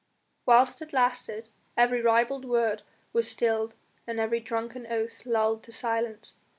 Whilst it lasted every ribald word was stilled and every drunken oath lulled to silence.